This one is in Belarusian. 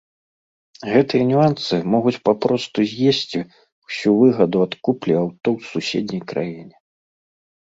Гэтыя нюансы могуць папросту з'есці ўсю выгаду ад куплі аўто ў суседняй краіне.